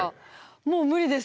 もう無理です。